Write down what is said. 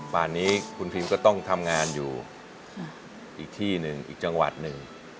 ป่านนี้คุณพิมก็ต้องทำงานอยู่อีกที่หนึ่งอีกจังหวัดหนึ่ง